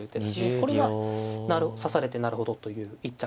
これは指されてなるほどという一着ですね。